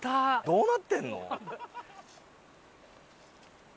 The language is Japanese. どうなってんの？